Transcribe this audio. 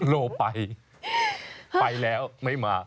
โลไปไปแล้วไม่มา